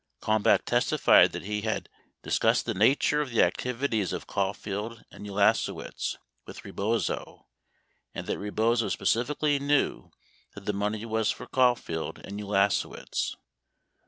1 Kalmbach testified that he dis cussed the nature of the activities of Caulfield and Ulasewicz with Re bozo, and that Rebozo specifically knew that the money was for Caul field and Ulasewicz.